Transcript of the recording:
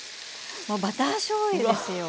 もうバターしょうゆですよ！